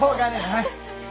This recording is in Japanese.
はい。